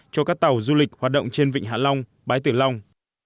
cho các tàu du lịch hoạt động trên vịnh hạ long bái tử long